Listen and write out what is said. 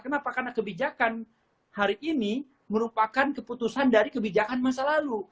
kenapa karena kebijakan hari ini merupakan keputusan dari kebijakan masa lalu